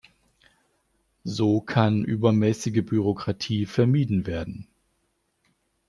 So kann übermäßige Bürokratie vermieden werden.